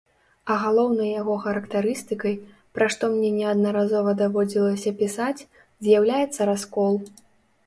А галоўнай яго характарыстыкай, пра што мне неаднаразова даводзілася пісаць, з'яўляецца раскол.